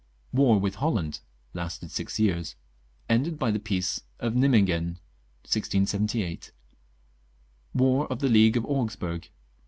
War with Holland (lasted six years). Ended by the Peace of Nimeguen, 1678. War of the League of Augsburg.